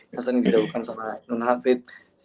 yang sering didoakan sama nun hafid